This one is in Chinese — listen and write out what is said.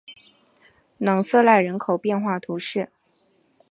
朗瑟奈人口变化图示